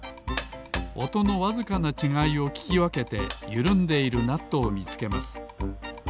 おとのわずかなちがいをききわけてゆるんでいるナットをみつけます。